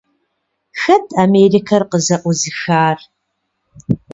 Хэт Америкэр къызэӀузыхар?